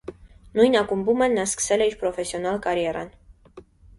Նույն ակումբում էլ նա սկսել է իր պրոֆեսիոնալ կարիերան։